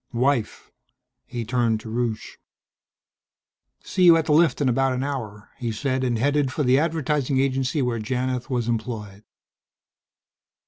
"Wife." He turned to Rusche. "See you at the lift in about an hour," he said and headed for the advertising agency where Janith was employed.